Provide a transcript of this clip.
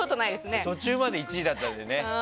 途中まで１位だったんだよね。